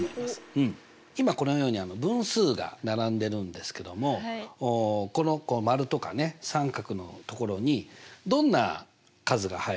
今このように分数が並んでるんですけどもこの丸とかね三角の所にどんな数が入るかな？